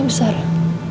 ya bu sarah